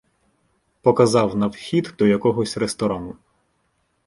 Показав на вхід до якогось ресторану.